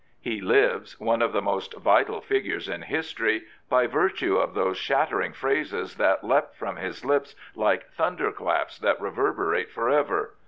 He lives, one of the most vital figures in history, by virtue of those shattering phrases that leapt from his lips like thunderclaps that reverberate for ever.